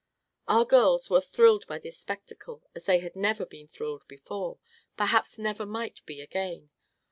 Our girls were thrilled by this spectacle as they had never been thrilled before perhaps never might be again.